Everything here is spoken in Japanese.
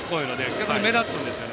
逆に目立つんですよね。